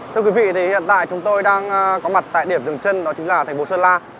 thưa quý vị thì hiện tại chúng tôi đang có mặt tại điểm dừng chân đó chính là thành phố sơn la